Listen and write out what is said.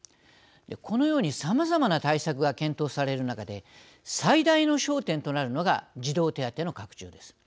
このようにさまざまな対策が検討される中で最大の焦点となるのが児童手当の拡充です。